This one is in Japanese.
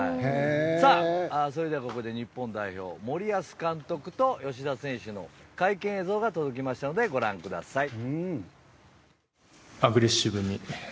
さあ、それではここで日本代表、森保監督と吉田選手の会見映像をご覧ください。